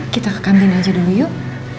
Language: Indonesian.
kita ke kantin aja dulu yuk